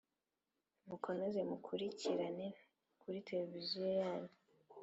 Mukomeze mukurikirane ku televiziyo yanyu